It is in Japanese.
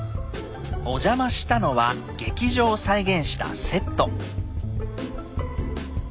お邪魔したのは劇場を再現したセット。